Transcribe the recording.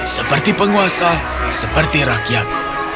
seperti penguasa seperti rakyat